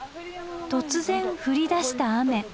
突然降りだした雨。